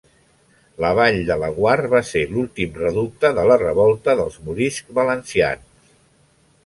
La Vall de Laguar va ser l'últim reducte de la revolta dels moriscs valencians.